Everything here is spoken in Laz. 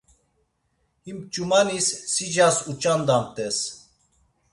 Him ç̆umanis sicas uç̆andamt̆es.